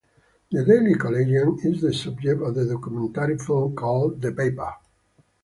The Daily Collegian is the subject of a documentary film called "The Paper".